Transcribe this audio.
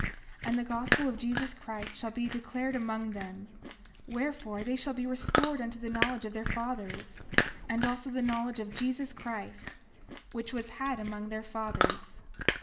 30:5 And the gospel of Jesus Christ shall be declared among them; wherefore, they shall be restored unto the knowledge of their fathers, and also to the knowledge of Jesus Christ, which was had among their fathers.